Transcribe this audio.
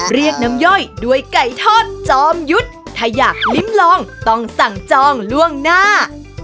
เรียกน้ำย่อยด้วยไก่ทอดจอมยุทธ์ถ้าอยากลิ้มลองต้องสั่งจองล่วงหน้า